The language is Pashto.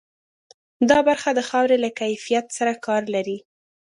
دا برخه د خاورې له کیفیت سره کار لري.